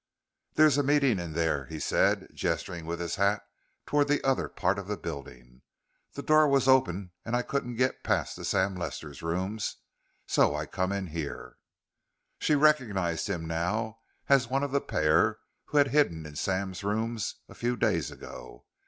"There's a meeting in there," he said, gesturing with his hat toward the other part of the building. "The door was open and I couldn't get past to Lester's rooms, so I come in here." She recognized him now as one of the pair who had hidden in Sam's rooms a few days ago.